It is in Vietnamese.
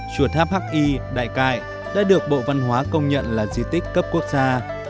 chùa tháp h i đại cại đã được bộ văn hóa công nhận là di tích cấp quốc gia